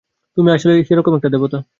তুমি আসলেই সেরকম একটা দেবতা।